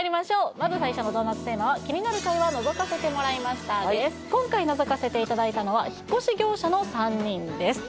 まず最初のドーナツテーマは今回のぞかせていただいたのは引越し業者の３人です